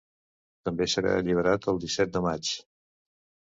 També serà alliberat el disset de maig.